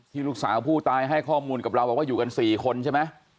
ลูกสาวผู้ตายให้ข้อมูลกับเราบอกว่าอยู่กัน๔คนใช่ไหม